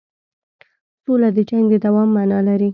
سوله د جنګ د دوام معنی لري.